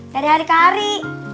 dari hari ke hari